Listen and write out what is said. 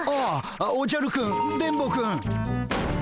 ああおじゃるくん電ボくん。